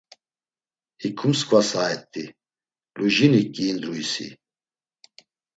Hiǩu msǩva saet̆i Lujinik giindrui si?